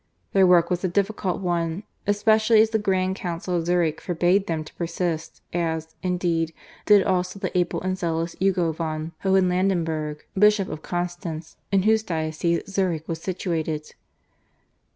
Their work was a difficult one especially as the Grand Council of Zurich forbade them to persist, as, indeed, did also the able and zealous Hugo von Hohenlandenberg, Bishop of Constance, in whose diocese Zurich was situated.